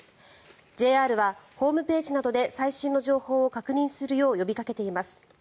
ＪＲはホームページなどで最新の情報を確認するよう呼びかけています。